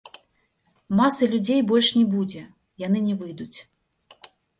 Масы людзей больш не будзе, яны не выйдуць.